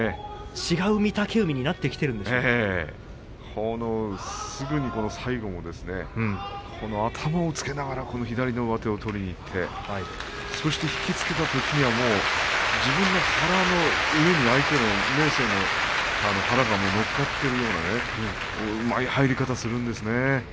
違う御嶽海にすぐに最後も頭をつけながら左の上手を取りにいってそして引き付けたときには自分の腹の上に相手を明生の腹が乗っかっているようなうまい入り方をするんですよね。